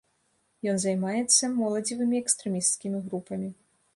Ён займаецца моладзевымі экстрэмісцкімі групамі.